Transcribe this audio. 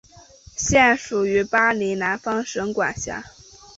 现属于巴林南方省管辖。